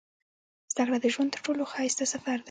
• زده کړه د ژوند تر ټولو ښایسته سفر دی.